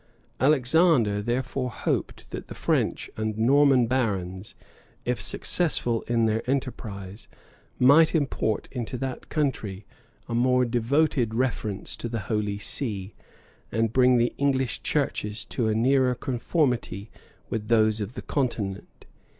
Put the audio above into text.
Alexander therefore hoped, that the French and Norman barons, if successful in their enterprise, might import into that country a more devoted reverence to the holy see, and bring the English churches to a nearer conformity with those of the continent.